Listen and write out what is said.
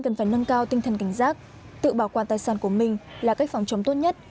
cần phải nâng cao tinh thần cảnh giác tự bảo quản tài sản của mình là cách phòng chống tốt nhất